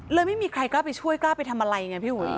แล้วไม่มีใครกล้าไปช่วยกล้าไปทำอะไรอย่างนั้นพี่หุย